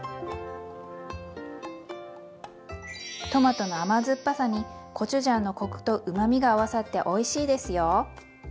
トマトの甘酸っぱさにコチュジャンのコクとうまみが合わさっておいしいですよ。